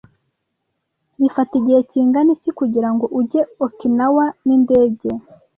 Bifata igihe kingana iki kugira ngo ujye Okinawa n'indege?